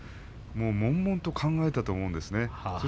もんもんと考えたと思うんです。